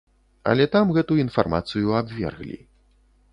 Але там гэту інфармацыю абверглі.